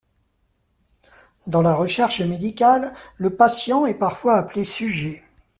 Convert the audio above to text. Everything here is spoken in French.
Dans la recherche médicale, le patient est parfois appelé sujet.